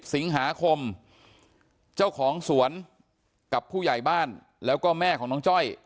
สิงหาคมเจ้าของสวนกับผู้ใหญ่บ้านแล้วก็แม่ของน้องจ้อย